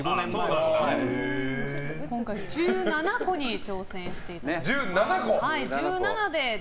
今回、１７個に挑戦していただきます。